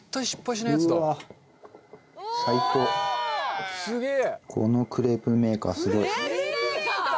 指原：クレープメーカー？